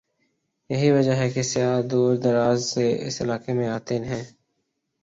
یہی وجہ ہے کہ سیاح دور دراز سے اس علاقے میں آتے ہیں ۔